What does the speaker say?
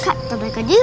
kek kembali ke jiru